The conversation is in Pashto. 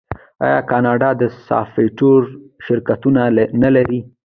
آیا کاناډا د سافټویر شرکتونه نلري؟